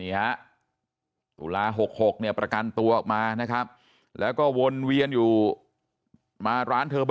ฮะตุลา๖๖เนี่ยประกันตัวออกมานะครับแล้วก็วนเวียนอยู่มาร้านเธอ